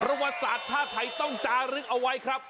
ประวัติศาสตร์ชาติไทยต้องจารึกเอาไว้ครับ